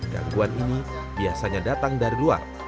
gangguan ini biasanya datang dari luar